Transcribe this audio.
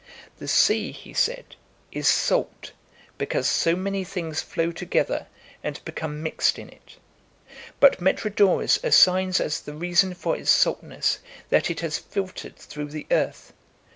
The sea, he said, is salt because so many things flow together and become mixed in it; but Metrodoros assigns as the reason for its saltness that it has filtered through the earth.?